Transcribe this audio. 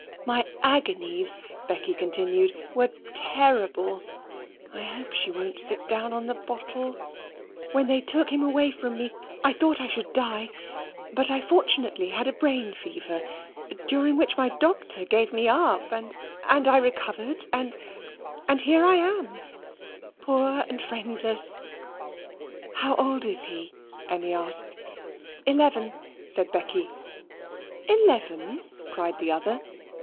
"My agonies," Becky continued, "were terrible (I hope she won't sit down on the bottle) when they took him away from me; I thought I should die; but I fortunately had a brain fever, during which my doctor gave me up, and and I recovered, and and here I am, poor and friendless." "How old is he?" Emmy asked. "Eleven," said Becky. "Eleven!" cried the other.